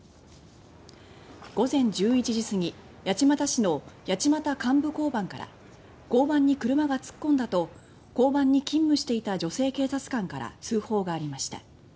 午前１１時すぎ八街市の八街幹部交番から「交番に車が突っ込んだ」と交番に勤務していた女性警察官から通報がありました。